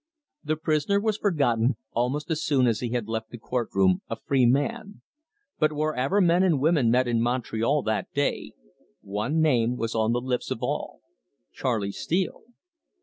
The prisoner was forgotten almost as soon as he had left the court room a free man, but wherever men and women met in Montreal that day, one name was on the lips of all Charley Steele!